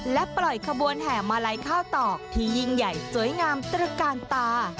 และปล่อยขบวนแห่มาลัยข้าวตอกที่ยิ่งใหญ่สวยงามตระกาลตา